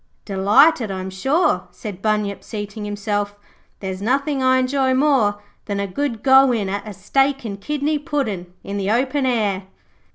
'Delighted, I'm sure,' said Bunyip, seating himself. 'There's nothing I enjoy more than a good go in at steak and kidney pudding in the open air.'